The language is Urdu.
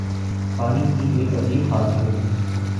پانی کی ایک عجیب خاصیت تھی